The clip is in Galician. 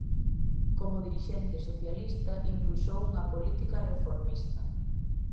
Como dirixente socialista impulsou unha política reformista.